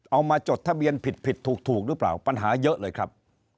มาจดทะเบียนผิดผิดถูกหรือเปล่าปัญหาเยอะเลยครับ